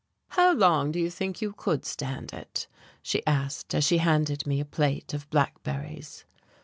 "How long do you think you could stand it?" she asked, as she handed me a plate of blackberries.